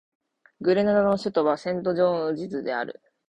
グレナダの首都はセントジョージズである